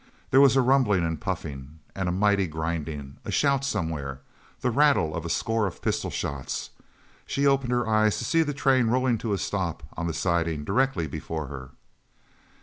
There was a rumbling and puffing and a mighty grinding a shout somewhere the rattle of a score of pistol shots she opened her eyes to see the train rolling to a stop on the siding directly before her.